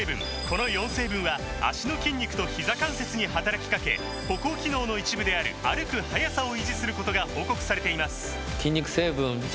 この４成分は脚の筋肉とひざ関節に働きかけ歩行機能の一部である歩く速さを維持することが報告されています